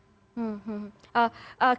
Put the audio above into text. yang pertama ini accept plan mereka